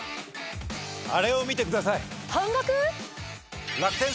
あれを見てください！